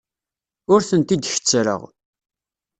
Ur tent-id-kettreɣ.